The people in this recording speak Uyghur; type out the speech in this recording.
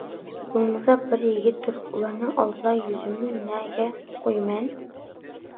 بولمىسا، بىر يىگىت تۇرۇپ ئۇلارنىڭ ئالدىدا يۈزۈمنى نەگە قويىمەن؟ !